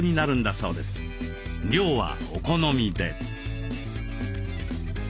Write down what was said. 量はお好みで。